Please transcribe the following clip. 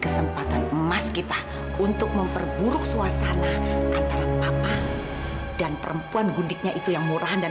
sampai jumpa di video selanjutnya